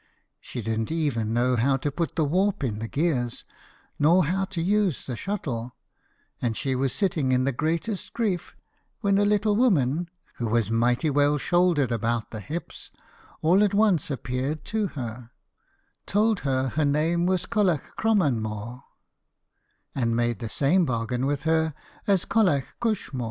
She didn't even know how to put the warp in the gears, nor how to use the shuttle, and she was sitting in the greatest grief, when a little woman, who was mighty well shouldered about the hips, all at once appeared to her, told her her name was Colliach Cromanmōr, and made the same bargain with her as Colliach Cushmōr.